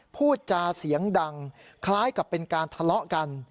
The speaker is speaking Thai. พูดจาเสียงดังคล้ายกับเป็นการทะเลาะกัน